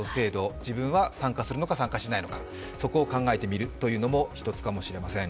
自分は参加するのか、参加しないのか、そこを考えてみるというのも一つかもしれません。